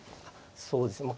そうですね